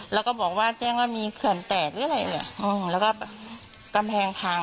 แล้วก็บอกว่าแจ้งว่ามีเขื่อนแตกหรืออะไรเลยแล้วก็แบบกำแพงพัง